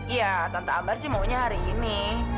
iya tante ambar sih maunya hari ini